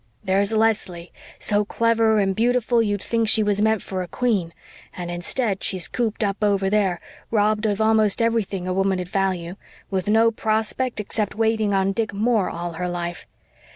There's Leslie, so clever and beautiful you'd think she was meant for a queen, and instead she's cooped up over there, robbed of almost everything a woman'd value, with no prospect except waiting on Dick Moore all her life.